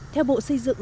theo bộ xây dựng